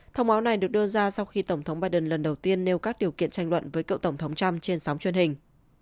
thông báo này được đưa ra sau khi tổng thống biden lần đầu tiên nêu các điều kiện tranh luận với cựu tổng thống trump trên sóng truyền hình